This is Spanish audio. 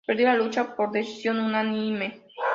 Perdió la lucha por decisión unánime.